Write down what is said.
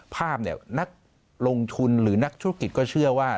ภาพเนี่ยนักลงทุนหรือนักธุรกิจก็เชื่อว่า